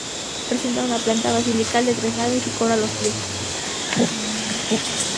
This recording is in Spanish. Presenta una planta basilical de tres naves y coro a los pies.